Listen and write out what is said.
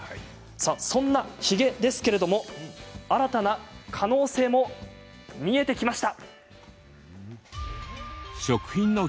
そんなヒゲですが新たな可能性も見えてきました。